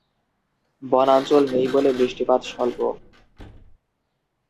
বনাঞ্চল নেই বলে বৃষ্টিপাত স্বল্প।